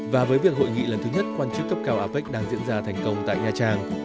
và với việc hội nghị lần thứ nhất quan chức cấp cao apec đang diễn ra thành công tại nha trang